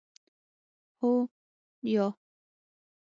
هو 👍 یا 👎